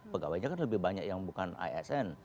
pegawainya kan lebih banyak yang bukan asn